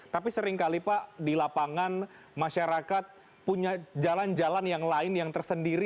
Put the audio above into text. tapi seringkali pak di lapangan masyarakat punya jalan jalan yang lain yang tersendiri